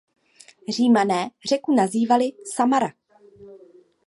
Římané řeku nazývali "Samara".